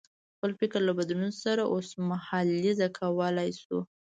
خپل فکر له بدلون سره اوسمهالیزه کولای شو.